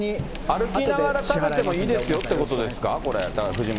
歩きながらでもいいですよってことですか？